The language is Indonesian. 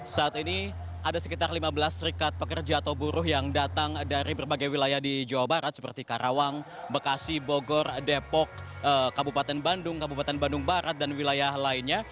saat ini ada sekitar lima belas serikat pekerja atau buruh yang datang dari berbagai wilayah di jawa barat seperti karawang bekasi bogor depok kabupaten bandung kabupaten bandung barat dan wilayah lainnya